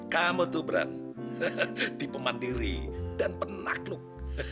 kamu tuh beran dipemandiri dan penakluk